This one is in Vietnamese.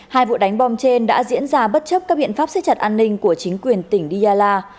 hai vụ đánh bom trên đã diễn ra bất chấp các biện pháp xếp chặt an ninh của chính quyền tỉnh diala